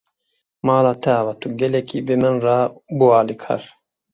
Mala te ava, tu gelekî bi min re bû alîkar.